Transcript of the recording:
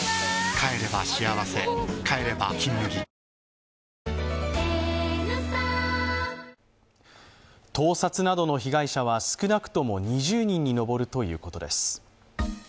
帰れば「金麦」盗撮などの被害者は少なくとも２０人に上るということです。